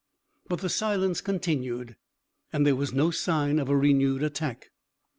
But the silence continued, and there was no sign of a renewed attack.